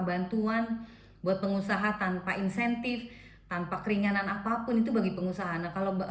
bantuan buat pengusaha tanpa insentif tanpa keringanan apapun itu bagi pengusaha kalau